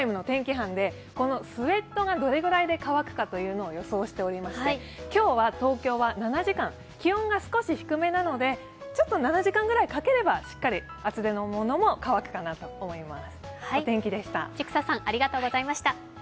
班でスウェットがどれぐらいで乾くか予想していまして、今日は東京は７時間、気温が少し低めなのでちょっと７時間ぐらいかければ、しっかり厚手のものも乾くかなと思います。